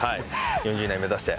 ４０以内目指して。